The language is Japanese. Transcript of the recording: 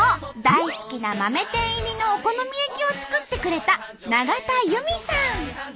大好きな豆天入りのお好み焼きを作ってくれた永田由美さん！